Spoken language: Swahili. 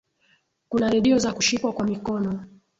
kuna redio za kushikwa kwa mikono